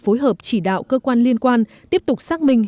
phối hợp chỉ đạo cơ quan liên quan tiếp tục xác minh